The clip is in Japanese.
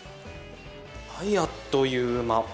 はいあっという間。